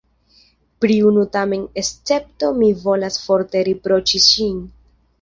Pri unu tamen escepto mi volas forte riproĉi ŝin.